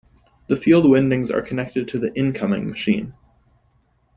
The field windings are connected to the "incoming" machine.